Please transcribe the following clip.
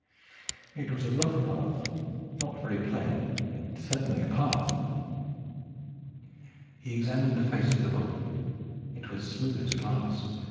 It was a rough path, not very plain, yet certainly a path. He examined the face of the rock. It was smooth as glass.